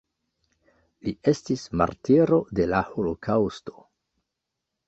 Li estis martiro de la holokaŭsto.